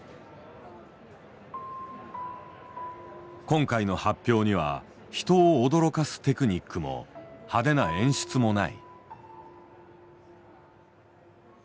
今回の発表には人を驚かすテクニックも派手な演出もない。